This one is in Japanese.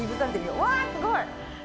うわー、すごい。